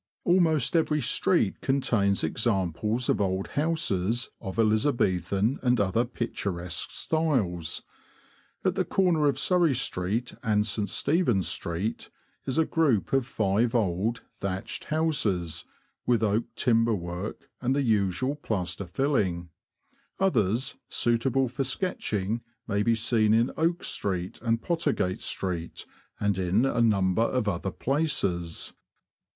Almost every street contains examples of old houses 96 THE LAND OF THE BROADS. of Elizabethan and other picturesque styles. At the corner of Surrey Street and St. Stephen's Street is a group of five old, thatched houses, with oak timber work and the usual plaster filling. Others, suitable for sketching, may be seen in Oak Street and Pottergate Street, and in a number of other places.